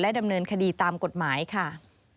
ดำเนินคดีตามกฎหมายค่ะ